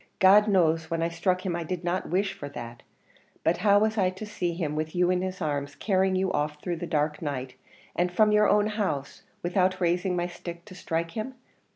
God knows when I struck him I did not wish for that; but how was I to see him with you in his arms carrying you off through the dark night, and from your own house, without raising my stick to strike him?